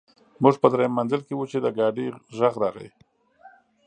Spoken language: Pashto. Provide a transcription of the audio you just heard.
موږ په درېیم منزل کې وو چې د ګاډي غږ راغی